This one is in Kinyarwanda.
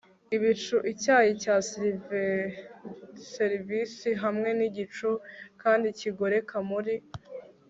ibicu icyayi cya silverserivisi hamwe nigicu kandi kigoreka muri